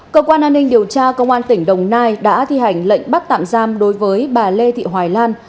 cơ quan an ninh điều tra công an tỉnh đồng nai đã thi hành lệnh bắt tạm giam đối với bà lê thị hoài lan